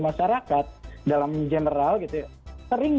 masyarakat dalam general gitu ya sering